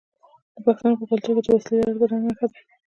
د پښتنو په کلتور کې د وسلې لرل د ننګ نښه ده.